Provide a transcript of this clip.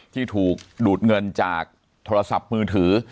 ที่ถูกดูดเงินจากโทรศัพท์มือถือ